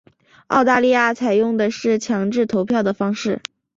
澳大利亚采用的是强制投票的方式。